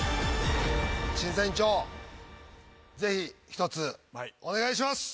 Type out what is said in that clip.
審査委員長是非１つお願いします。